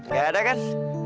gak ada kan